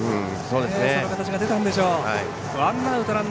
その形が出たんでしょう。